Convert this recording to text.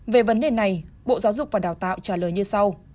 về vấn đề này bộ giáo dục và đào tạo trả lời như sau